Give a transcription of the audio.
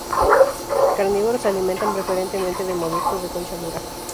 Carnívoros, se alimentan preferentemente de moluscos de concha dura.